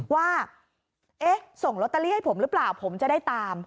ว่าเอ๊ะส่งลอตเตอรี่ให้ผมหรือเปล่าผมจะได้ตาม